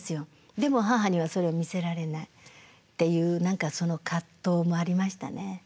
でも母にはそれは見せられないっていう何かその葛藤もありましたね。